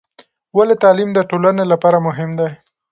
ولې تعلیم د ټولنې لپاره مهم دی؟